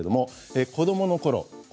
子どものころ